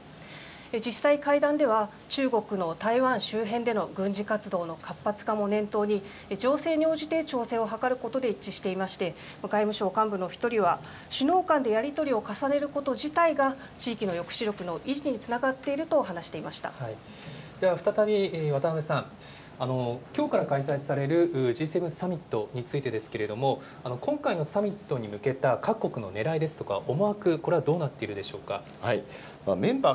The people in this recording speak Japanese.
実際、会談では、中国の台湾周辺での軍事活動の活発化も念頭に、情勢に応じて調整を図ることで一致していまして、外務省幹部の１人は、首脳間でやり取りを重ねること自体が地域の抑止力の維持につながでは、再び渡辺さん、きょうから開催されるＧ７サミットについてですけれども、今回のサミットに向けた各国のねらいですとか、思惑、これはどうなっているでしメンバー